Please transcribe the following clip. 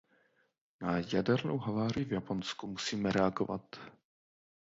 Na jadernou havárii v Japonsku musíme reagovat.